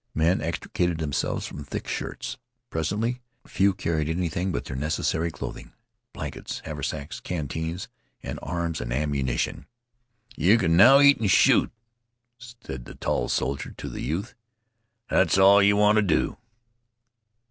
Men extricated themselves from thick shirts. Presently few carried anything but their necessary clothing, blankets, haversacks, canteens, and arms and ammunition. "You can now eat and shoot," said the tall soldier to the youth. "That's all you want to do."